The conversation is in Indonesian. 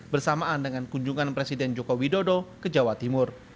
bersamaan dengan kunjungan presiden joko widodo ke jawa timur